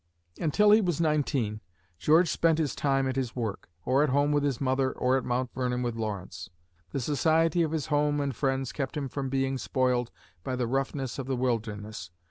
Until he was nineteen, George spent his time at his work, or at home with his mother or at Mount Vernon with Lawrence. The society of his home and friends kept him from being spoiled by the roughness of the wilderness.